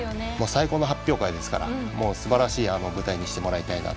最高の発表会ですからすばらしい舞台にしてもらいたい。